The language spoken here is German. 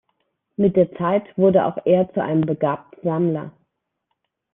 Mit der Zeit wurde auch er zu einem begabten Sammler.